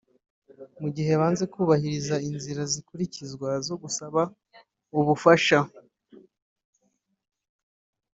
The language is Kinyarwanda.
mu gihe banze kubahiriza inzira zikurikizwa zo gusaba ubufasha